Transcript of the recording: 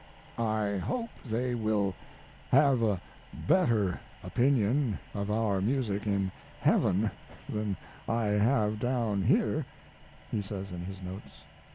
"I hope they will have a better opinion of our music in heaven than I have down here," he says in his notes.